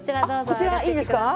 こちらいいんですか？